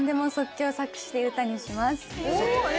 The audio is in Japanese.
え！